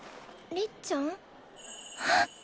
りっちゃん？